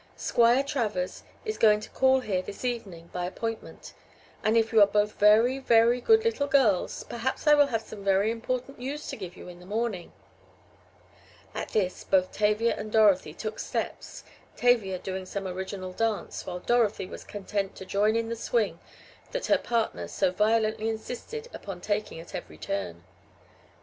"Squire Travers is going to call here this evening by appointment. And if you are both very, very good little girls, perhaps I will have some very important news to give you in the morning." At this both Tavia and Dorothy "took steps," Tavia doing some original dance while Dorothy was content to join in the swing that her partner so violently insisted upon taking at every turn.